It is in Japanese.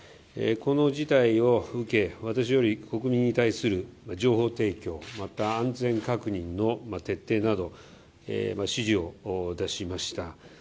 この事態を受け、私より国民に対する情報提供、また安全確認の徹底など指示を出しました。